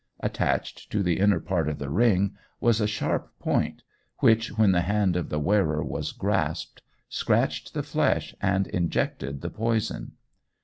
Attached to the inner part of the ring was a sharp point which, when the hand of the wearer was grasped, scratched the flesh and injected the poison.